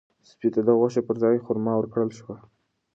سپي ته د غوښې پر ځای خورما ورکړل شوه.